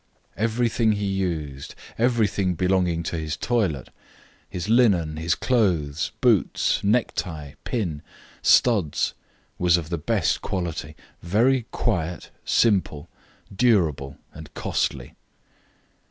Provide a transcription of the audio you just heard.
Everything he used, everything belonging to his toilet, his linen, his clothes, boots, necktie, pin, studs, was of the best quality, very quiet, simple, durable and costly.